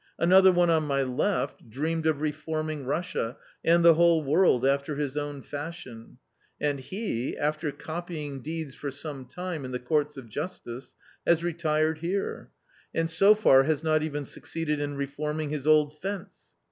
Another one on my left dreamed of reforming Russia and the whole world after his own fashion, and he, after copying deeds for some time in the Courts of Justice, has retired here, and so far has not even succeeded in reforming his old fence.